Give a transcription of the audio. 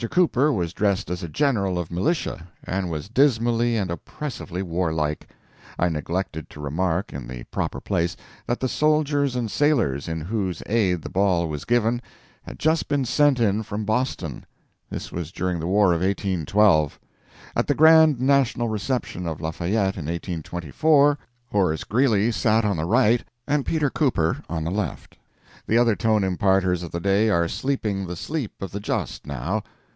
Cooper was dressed as a general of militia, and was dismally and oppressively warlike. I neglected to remark, in the proper place, that the soldiers and sailors in whose aid the ball was given had just been sent in from Boston this was during the war of 1812. At the grand national reception of Lafayette, in 1824, Horace Greeley sat on the right and Peter Cooper to the left. The other Tone imparters of the day are sleeping the sleep of the just now.